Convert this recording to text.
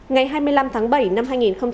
ngày hai mươi năm tháng bảy năm hai nghìn hai mươi